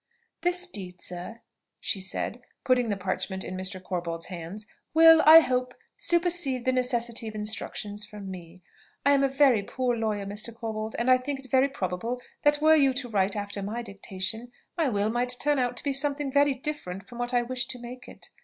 "This deed, sir," she said, putting the parchment in Mr. Corbold's hands, "will, I hope, supersede the necessity of instructions from me. I am a very poor lawyer, Mr. Corbold, and I think it very probable that were you to write after my dictation, my will might turn out to be something very different from what I wish to make it.